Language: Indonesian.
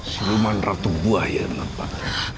siluman ratu buah yang lebat